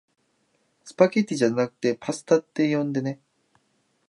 スパゲティじゃなくパスタって呼んでね